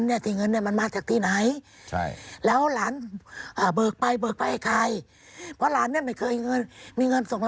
เจอบัญชีกี่เล่ม